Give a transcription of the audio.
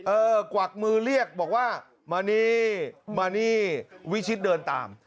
กวักมือเรียกบอกว่ามานี่มานี่วิชิตเดินตาม